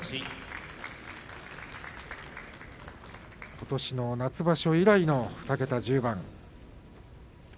ことしの夏場所以来の２桁１０番。